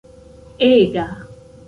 ega